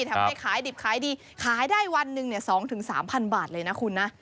ทำให้ขายดิบขายดีขายได้วันหนึ่งเนี้ยสองถึงสามพันบาทเลยนะคุณนะ